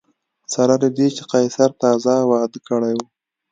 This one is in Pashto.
سره له دې چې قیصر تازه واده کړی و